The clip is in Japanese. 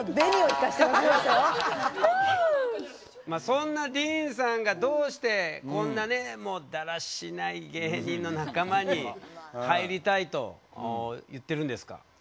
そんなディーンさんがどうしてこんなねだらしない芸人の仲間に入りたいと言ってるんですか？